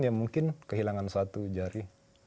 ya mungkin kehilangan satu jari